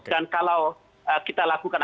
dan kalau kita lakukan